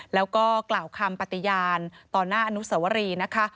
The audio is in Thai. แล้วก็กล่าวคำปฏิญาณต่อหน้าอนุสวรีนะคะ